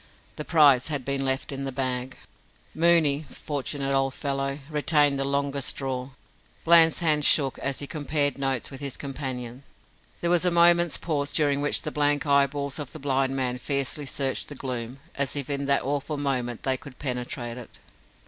The prize had been left in the bag. Mooney fortunate old fellow retained the longest straw. Bland's hand shook as he compared notes with his companion. There was a moment's pause, during which the blank eyeballs of the blind man fiercely searched the gloom, as if in that awful moment they could penetrate it.